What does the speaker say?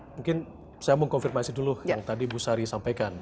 mungkin saya mau konfirmasi dulu yang tadi bu sari sampaikan